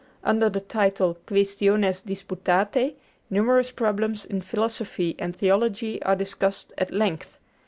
Under the title 'Quæstiones Disputatæ,' numerous problems in philosophy and theology are discussed at length.